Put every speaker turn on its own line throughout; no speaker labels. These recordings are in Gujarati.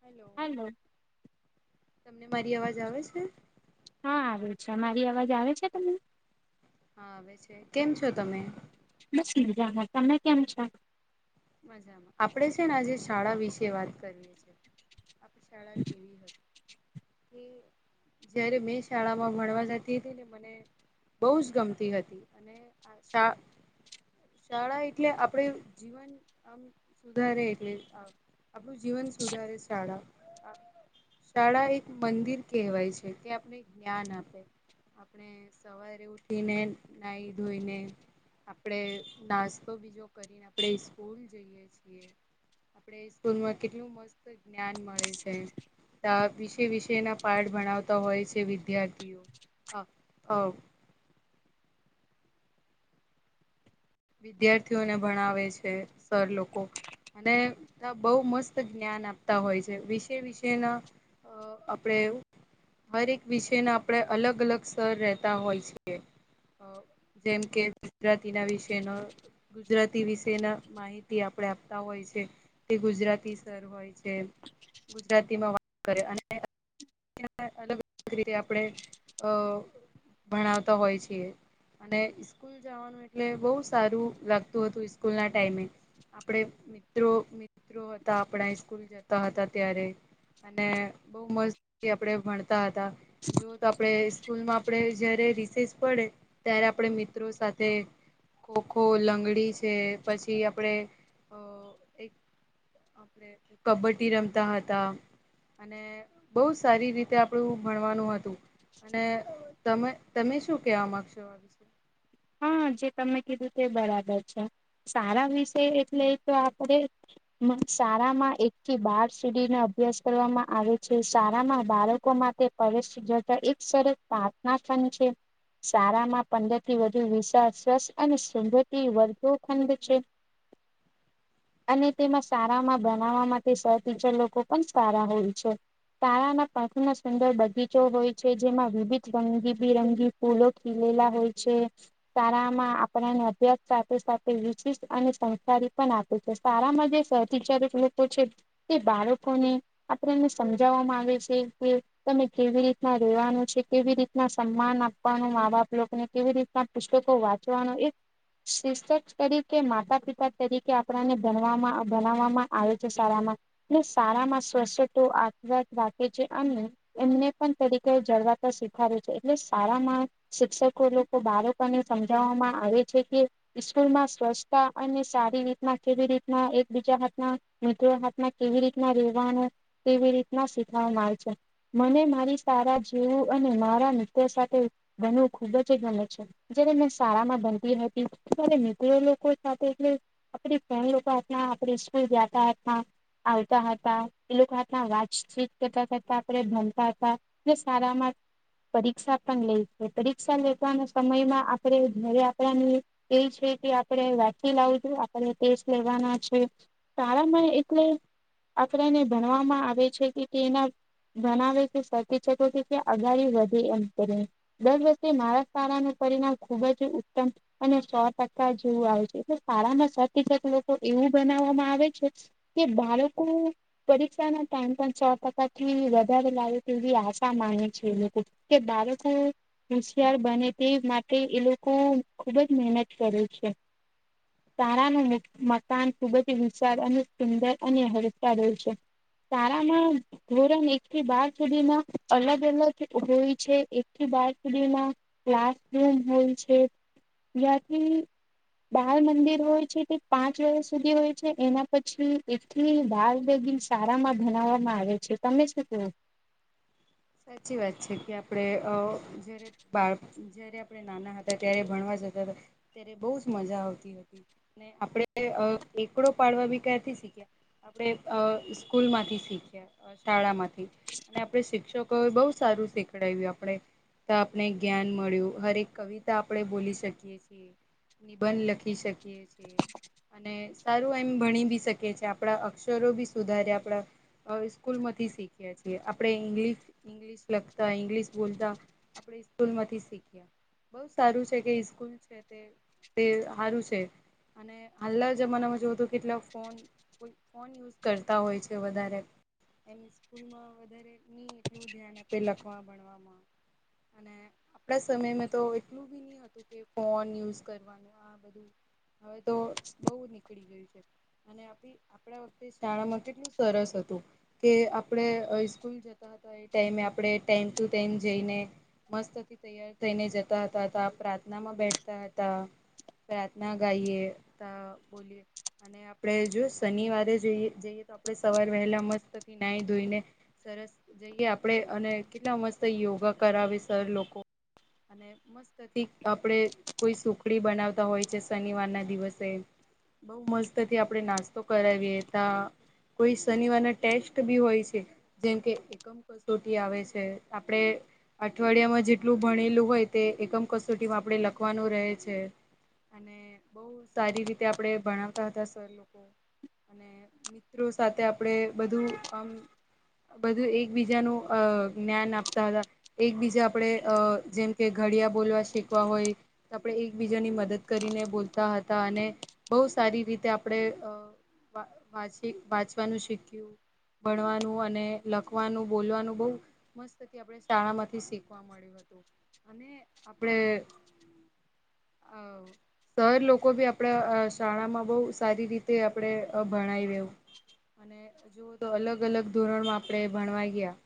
હેલોલો
હલો
તમને મારી અવાજ આવે છે
અચ્છા મારી અવાજ આવે છે તમને
હા આવે છે કેમ છો તમે
બસ બીજામાં તમે કેમ છો
મજામાં આપણેે છે ને આજે શાળા વિશે વાત કરીએ છેીએ આપ શાળા કેવી હતી તે જયારે મેં શાળામાં ભણવા જતી હતી ને મને બોવ જ ગમતી હતી અને આ શાળા એટલે આપડે જીવન આમ સુધારે એટલે આપણું જીવન સુધારે શાળા શાળા એક મંદિર કહેવાય છે, ત્યાં આપને જ્ઞાન આપે આપણે સવારે ઉઠીને નાહી ધોઈને આપણેે નાસ્તો બીજો કરીને આપણે સ્કૂલ જઈએ છીએ આપણે સ્કૂલમાં કેટલું મસ્ત જ્ઞાન મળે છે. તા વિષે વિષેના પાઠ ભણાવતા હોય છે, વિદ્યાર્થીઓ [inaudible] વિદ્યાર્થીઓને ભણાવે છે, સર લોકો અને બોવ મસ્ત જ્ઞાન આપતા હોય છે, વિશે વિશેના અ આપડે હરે એક વિષયના આપણે અલગ અલગ સ્તર રહેતા હોય છીએ અ જેમ કે ગુજરાતીના વિષનો ગુજરાતી વિશેના માહિતી આપણે આપતા હોય છે, તે ગુજરાતી સર હોય છે. ગુજરાતીમાં વાત કરે અને અલગ અલગ રીતે આપણે અ ભણાવતા હોય છીએ અને સ્કૂલ જવાનું એટલે બોવ સારું લાગતું હતું સ્કૂલના ટાઈમે આપણે મિત્રો મિત્રો હતા આપણા સ્કૂલ જતા હતા ત્યારે અને બોવ મસ્ત જયા આપણે ભણતા હતા જો તો આપણે સ્કૂલમાં આપણે જયારે રિસેસ પડે ત યારે આપડે મિત્રો સાથે ખોખો લંગડી છે, પછી આપણેે અ એક આપડે કબડ્ડી રમતા હતા અને બોવ સારી રીતે આપણું ભણવાનું હતું અને તમે તમે શું કેવા માંગશો?
હા જે તમે કીધું તે બરાબર છે, સારા વિષય એટલે તો આપણેે શાળામાં એક થી બાર સીડીને અભ્યાસ કરવામાં આવે છે, શાળામાં બાળકો માટે [unintelligible] એક સરસ પ્રાર્થનાખંડ છે, શારામાં પંદર થી વ ધુ વિશાળ રસ અને શુંદતી વર્ધુ ખંડ છે. અને તેમાં સારામાં બનાવવા માટે સર ટીચર લોકો પણ સારા હોય છે. શારાના પાંથૅના સુંદર બગીચો હોય છે, જેમાં વિવિધ રંગીબિરંગી ફૂલો ખી એલા હોય છે. સારામાં આપણાને અભ્યાસ સાથે સાથે વિશીષત અને સંકારી પણ આપે છે, સારા મા જે સદચારક લોકો છે, તે બાળકોને આપને સમજાવવામાં આવે છે, કે તમે કેવી રીતના રેવાનું છે, કેવી રીતના સન્માન આપવાનું મા-બાપ લોકોને કેવી રીતના પુસ્તકો વાંચવાનો એ શિક્ષક તરીકે માતા-પિતા તરીકે આપણાને ભણવામાં ભણાવામાં આવે છે, સારા મા અને સારામાં [unintelligible] રાખે છે અને એમને પણ તરીકે જળ [unintelligible] છે એટલે શારામાં શિક્ષકો લોકો બાળક કો ને સમજવામાં આવે છે, કે સ્કૂલમાં સ્વચ્છતા અને સારી રીતના કેવી રીતના એકબીજા હાથના મિત્રો હાથમાં કેવી રીતના રહેેવાનુ કેવી રીતના શીખવામા આવે છે. મને મારી સારા જેવું અને મારા મિત્ર સાથે ભનવું ખૂબ જ ગમે છે. જેયારે મે શાળામાં ભનતી હતી ત્યારે મિત્રો લોકો સાથે એ [unintelligible] આપડે સ્કૂલ જતા હતા. આવતા હતા એ લોકો હાથના વાતચીક કરતા કરતા આપણે ભણતા હતા ને સારામાં પરીક્ષા પણ લે છે, પરીક્ષા લેવાના સમયમાં આપણે ઘરે આપડાની એ છે, કે આપણે વેચી લાવજું આપણે ટેસ્ટ લેવાના છે. તારામાં એટલે આપણાને ભણવામાં આવે છે, કે તેના ભણવે કે સતી કે અગાડી વધે એમ કરી દર વર્ષે મારા સારા ન પરિણામ ખુબ જ ઉત્તમ અને સો ટકા જેવું આવે છે એટલે શાળામાં સથીત લોકો એવું બનાવ બાળકો પરીક્ષા ટાઈમ પણ સ ટકાથી વધારે તેવી આશા માને છે લોકો કે બાળકો હોશિયાર બને તે માટે તે એ લોકો ખુબ જ મહેનત કરે છે તારાનું મકાન ખૂબ જ વિશાળ અને સુંદર અને હરસાાળય છે તારામાં ધોરણ એક થી બાર સુધીમાં અલગ અલગ હોય છે એક થી માં ક્લાસરૂમ હોય છે જ્યાંથી બાાલ મંદિર હોય છે તે પાંચ વાગ્યા સુધી હોય છે એના પછી એટલી બાાલ ી સારામાં બનાવવામાં આવે છે તમે શું કવો
સાચી વાત છે કે આપડે જારે બાળ જયારે આપણે નાના હતા ત્યારે ભણવા જતા હતા ત્યારે બહુ જ મજા આવતી હતી ને આપણે. એ એકડો પાડવા બી ક નથીથી શીખ્યા આપણે સ્કૂલ માંથી શીખ્યા શાળામાંથી અને આપણે શિક્ષકો બહુ સારું શીખડાય્યું આપણે તો આપણે જ્ઞાન મળ્યું હરેક કવિતા આપણે બોલી શકીએ છીએ નિબંધ લખી શકીએ છીએ અને સારું એમ ભણી ભી શકે છે આપડા અક્ષરો ભી સુધારે આપડા સ્કૂલ માંથી શીખ્યા છીએ આપડણે ઇંગ્લિશ ઈંગ્લિશ લખતા ઇંગ્લિશ બોલતા આપણે સ્કૂલ માંથી શીખ્યા બઉ સારું છે કે સ્કૂલ છે તે તે સારું છે અને હાલના જમાનામાં જોવુંું કેટલાક ફોન ફોન યુઝ કરતા હોય છે વધારે સ્ૂલમાં વધ એું ધ્યાન આપે લખવા ભણવામાં અને આપડા સમય તો એટલું બી નહ હતું કે ફોન યુઝ કરવાનું આ બધું હવે તો બહ નીકળી ગયું છે અને આપણા વખતે શાળામાં કેટલું સરસ હતું કે આપણે સ્કૂલ જતા હતા તો એ ટાઈમે આપણે ટાઈમ ટુ ટાઈમ જઈને મસ્તથી તૈયાર થઈને જતા હતા હતા પ્રાર્થના માં બેઠતા હતા પ્રાર્થના ગાઈએ તો બોલીએ અને આપણે જો શનિવારે જઈ જઈએ તો આપણે સવારે વહેલા મસ્તથી ના ધોઈને સરસ જઈએ આપડે અને કેટલા મસ્ત યોગા કરાવે સર લોકો અને મસ્તથી આપણેે કોઈ સુખડી બનાવતા હોય છે શનિવાર ના દિવસે બઉુ મસ્તથી આપડણે નાસ્તો કરાવી હતા કોઈ શનિવારના ટેસ્ટ બી હોય છે જેમકે એકમ કસોટી આવે છે આપડે અઠવાડિયામાં જેટલું ભણેલું હોય તે એકમ કસોટીમાં આપડે લખવાનું રહે છે અને બહ સારી રીતે આપડે ભણતા હતા સર લોકો અને મિત્રો સાથે આપડે બધું આમ બધું એકબીજાનું અ જ્ઞાન આપતા હતા એકબીજા આપણેે અ જેમ કે ઘડિયા બોલવા શીખવા હોય તો આપણે એકબીજાની મદદ કરીને બોલતા હતા અને બહ સારી રીતે આપણે અ વાંચી વાંચવાનું શીખ્યું ભણવાનું અને લખવાનું બોલવાનું બહ મસ્ત આપણે શાળા માંથી શીખવા મળ્યું અને આપડ આ સર લોકો ભી આપણા શાળામાં બહ સારી રીતે આપણે ભણાવી રહવું અને જોુવો તો અલગ અલગ ધોરણમાં આપણેે ભણવાઈ ગયા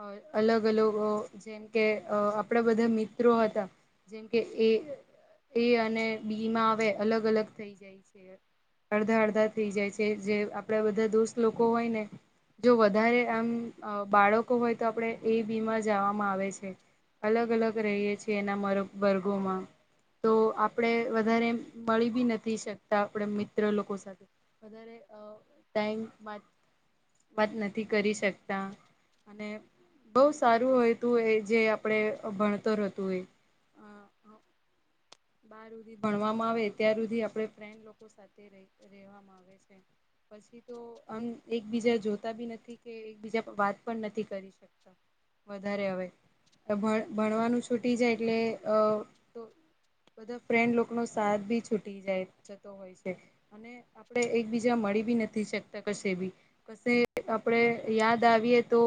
અ અલગ અલગ જેમ કે અ આપણા બધા મિત્રો હતા જેમ કે એ એ અને બી માં હવે અલગ અલગ થઈ જાય છે અડધા અડધા થઈ જાય છે જે આપડા બધા દોસ્ત લોકો હોય ને જો વધારે આમ બાળકો હોય તો આપણે એ બીમાર જવામાં આવે છે અલગ અલગ રહીએ છીએ એના વર્ગોમાં તો આપડે વધારે મળી બી નથી શકતા આપણે મિત્ર લોકો સાથે વધારે ટાઈમ વાત નથી કરી શકતા અને બહ સારું હોય તું એ જે આપડે ભણત રહેતું હોય બારધ ભણવામાં આવે ત્યાર સુધી આપડ ફન્ડ લોકો સાથે રેવામાં આવે છે પછી તો આમ એકબીજા જોતા બી નથી કે એકબીજા વાત પણ નથી કરી શકતા વધારે હવે ભણવાનું છૂટી જાય એટલે અ બધા ફ્રેન્ડ લોકો નો સાથ બી છૂટી જાય જતો હોય છે અને આપડ એકબીજા ી નથી શકતા બી આપણે યાદ આવીય તો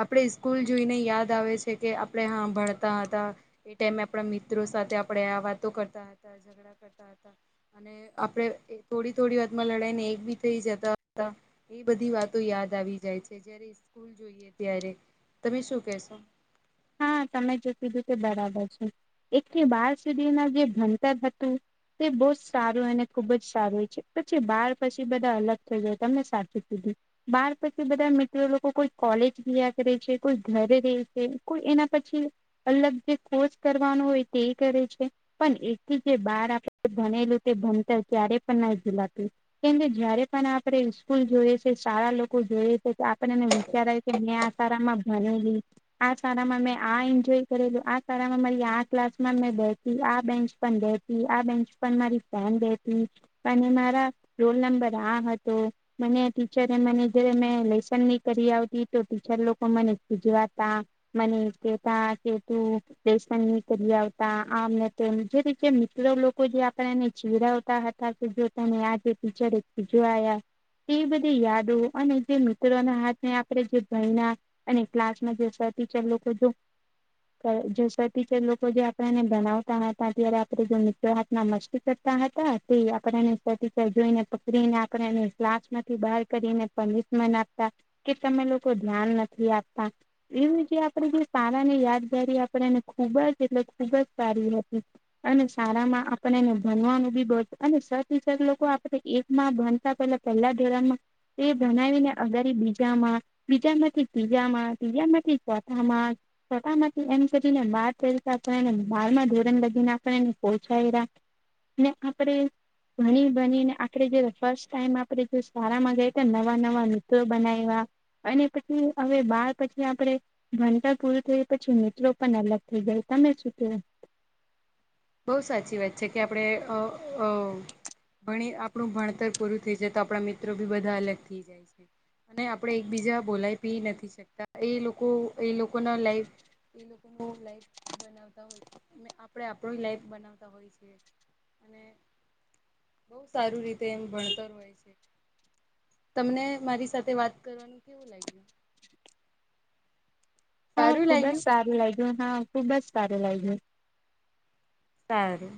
આપણે સ્કૂલ જોઈને યાદ આવે છે કે આપણે હા ભણતા હતા એ ટાઈમે આપણા મિત્રો સાથે આપણે આ વાતો કરતા હતા ઝઘડા કરતા હતા અને આપણે થોડી થોડી વાતમાં લડાઈ ને બી થઈ જતા હતા એ બધી વાતો યાદ આવી જાય છે જયારે સ્કૂલ જોઈએ ત્યારે તમે શું કહેશો?
હા તમે જે કીધું તે બરાબર છે એક થી બાર સુધીના જે ભણતર હતું તે બહુ જ સારું અને ખુબ જ સારું હોય છે પછી બાર પછી બધા અલગ થઈ જાય તમને સાચું જ કી બાર પછી બધા મિત્રો લોકો કોઈ કોલેજ વિ્યા કરે છે, કોઈ ઘરે રે છે. કોઈ એના પછી અલગ જે કોર્ષ કરવાનો હોય તે કરે છે, પણ એથી જે બા [inaudible] ભણેલું તે ભણતર ક્યારે પણ નહી ભુલાતું કેમકે જયારે પણ આપણે સ્કૂલ જોય [unintelligible] શાળા લોકો જોએ તો કે આપને વિચાર આયો કે મેં આ સારામાં ભણેલી, આ શારામાં મેં આ એન્જોય કરેલું, આ શારામાં મારી, આ ક્લાસમાં મેં બેતી, આ બેન્ચ પણ બેતી આ બેન્ચ પર મારી બહેન બેહતી અને મારા રોલ નંબર આ હતો. મને ટીચરે મને જ મે લેસન ની કરી આવતી તો ટીચર લોકો મને સૂજવાતા મને કેતા કે તું લેશન નહીં કરી આવતા આમને-તેમ લોકો જે આપડાને ચીડવતા હતા કે જો તને આજે ટીચરે ખીજવાયા. તે બધી યાદો અને તે મિત્રોના હાથને આપણે જે ભયના અને ક્લાસમાં જે સર ટીચર લોકો જો [unintelligible] ટીચર લોકો જે આપણા ને ભણાવતા હતા ત્યારે આપણે જે મિત્રો હાથ ના મસ્તી કર તા હતા તે આપણને સ ટચર જોઈને પકડીને આપણને ક્લાસ માંથી બહાર કાઢીને પની [unintelligible] આપતા કે તમે લોકો ધ્યાન નથી આપતા એવી તે આપણી જે સારા ની યાદગારી આપણેને ખૂબ જ એટલે ખૂબ જ સારી હતી અને શાળામા આપડે ને ભણવાનું બી [unintelligible] અને સર્તિસર લોકો આપ એક માં ભણતા પેલા પહેલા [unintelligible] તે ભણાવીને અગારી બીજામાં બીજામાંથી ત્રીજામાં ત્રીજામાંથી ચોથ માં સટા માંથી એમ કરીને બાર કરીતા પહેલા બારમાં ધોરણ [unintelligible] પોચી કઈરા ને આપડે. ઘણી બનીને આપણે જે ફર્સ્ટ ટાઈમ આપણે જે શાળામાં ગઈતા નવા-નવા મિત્રો બનાવ્યા અને પછી હવે બાર પછી આપડે ભણતર પૂરું થય પછી મિત્રો પણ અલગ થઈ ગયા તમે શુ કેવુ
બઉ સાચી વાત છે કે આપડે અ-અ ભણી આપણું ભણતર પૂરું થઈ જાય તો આપણા મિત્રો બી બધા અલગ થઈ જાય છે. અને આપણે એકબીજા બોલાય પી નથી શકતા એ લોકો એ લોકો ના લાઈફ એ લોકો લાઈફ બનાવતા હોય મે આપડે આપણી લાઈફ બનાવતા હોય છે અને. બહુ સારું રીતે એમ ભણતર હોય છે. તમને મારી સાથે વાત કરવાનું કેવું લાગ્યું?
હા
સારું
ખુબ જ
લાગ્યું
સારું લાગ્યું હા ખુબજ સારું લાગ્યું.
સારું.